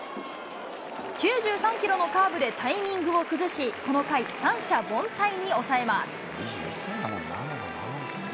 ９３キロのカーブでタイミングを崩し、この回、三者凡退に抑えます。